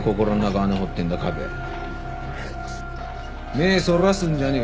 目ぇそらすんじゃねえ。